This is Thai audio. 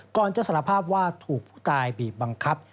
ก่อนจะสารภาพว่าถูกผู้ตายบีบบังคับ